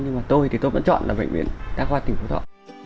nhưng mà tôi thì tôi vẫn chọn là bệnh viện đa khoa tỉnh phú thọ